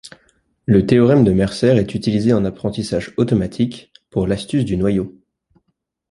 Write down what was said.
Le théorème de Mercer est utilisé en apprentissage automatique, pour l'astuce du noyau.